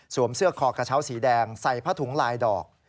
เสื้อคอกระเช้าสีแดงใส่ผ้าถุงลายดอก